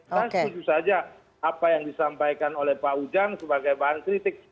saya setuju saja apa yang disampaikan oleh pak ujang sebagai bahan kritik